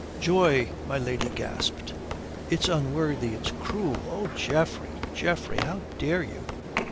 "Joy!" my lady gasped. "It's unworthy! It's cruel! Oh, Geoffrey, Geoffrey! How dare you?"